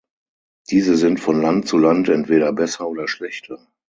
Diese sind von Land zu Land entweder besser oder schlechter.